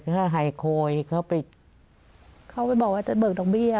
ถ้าหายโคยเขาไปเขาไปบอกว่าจะเบิกดอกเบี้ย